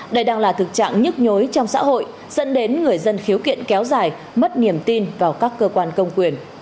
đây đang là thực trạng nhức nhối trong xã hội dẫn đến người dân khiếu kiện kéo dài mất niềm tin vào các cơ quan công quyền